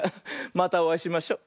またおあいしましょ。